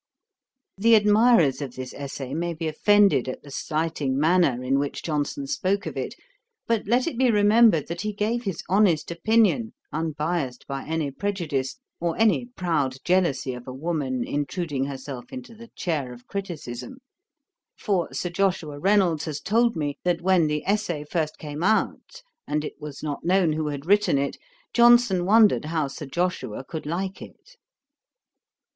The admirers of this Essay may be offended at the slighting manner in which Johnson spoke of it; but let it be remembered, that he gave his honest opinion unbiased by any prejudice, or any proud jealousy of a woman intruding herself into the chair of criticism; for Sir Joshua Reynolds has told me, that when the Essay first came out, and it was not known who had written it, Johnson wondered how Sir Joshua could like it.